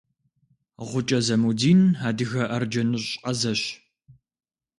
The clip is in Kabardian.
Гъукӏэ Замудин адыгэ арджэныщӏ ӏэзэщ.